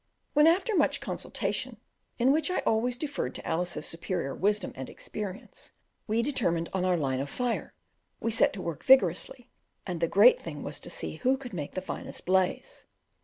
When after much consultation in which I always deferred to Alice's superior wisdom and experience we determined on our line of fire, we set to work vigorously, and the great thing was to see who could make the finest blaze.